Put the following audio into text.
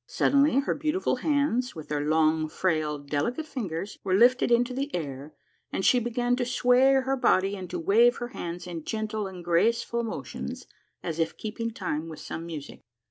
Suddenly her beautiful hands with their long, frail, delicate fingers were lifted into the air, and she began to sway her body and to wave her hands in gentle and graceful motions as if keeping time with some music.